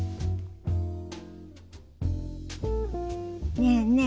ねえねえ